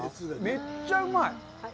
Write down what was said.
めっちゃうまい。